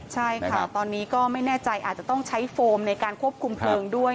ใช่ค่ะตอนนี้ก็ไม่แน่ใจอาจจะต้องใช้โฟมในการควบคุมเพลิงด้วย